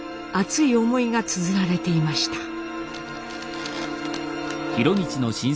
熱い思いがつづられていました。